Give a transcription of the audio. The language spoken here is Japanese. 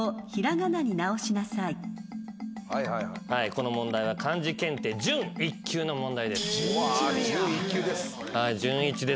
この問題は漢字検定準１級の問題です。